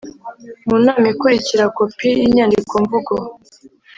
mu nama ikurikira Kopi y inyandikomvugo